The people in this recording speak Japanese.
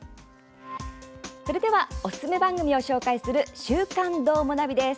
それではおすすめ番組を紹介する「週刊どーもナビ」です。